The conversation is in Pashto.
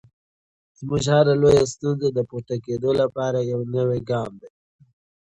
زموږ هره لویه ستونزه د پورته کېدو لپاره یو نوی ګام دی.